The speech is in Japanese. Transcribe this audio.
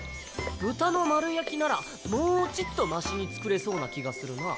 豚の丸焼きならもうちっとマシに作れそうな気がするな。